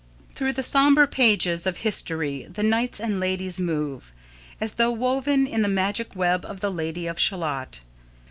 Through the sombre pages of history the knights and ladies move, as though woven in the magic web of the Lady of Shalott.